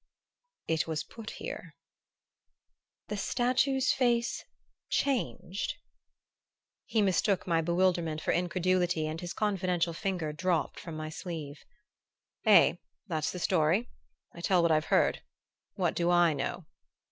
"It was put here." "The statue's face changed ?" He mistook my bewilderment for incredulity and his confidential finger dropped from my sleeve. "Eh, that's the story. I tell what I've heard. What do I know?"